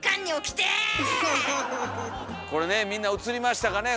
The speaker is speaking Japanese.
これねみんな映りましたかねえ